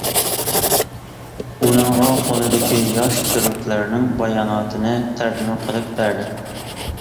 ئۇنىڭغا قولىدىكى ياش تۈركلەرنىڭ باياناتىنى تەرجىمە قىلىپ بەردى.